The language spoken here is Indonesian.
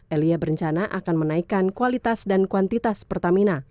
elia berencana akan menaikkan kualitas dan kuantitas pertamina